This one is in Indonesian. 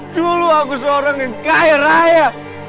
dulu aku seorang yang kaya raya